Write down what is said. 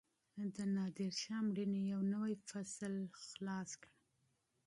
د نادرشاه مړینې یو نوی فصل پرانیست.